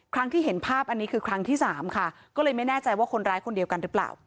ครั้งที่เห็นภาพอันนี้คือครั้งที่สามค่ะก็เลยไม่แน่ใจว่าคนร้ายคนเดียวกันหรือเปล่า